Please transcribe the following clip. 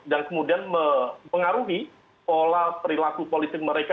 dan kemudian mengaruhi pola perilaku politik mereka